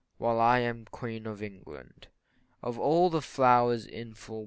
While I am Queen of England. Of all the flowers, &c.